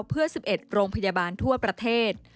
เพื่อ๑๑โรงพยาบาลทั่วประเทศ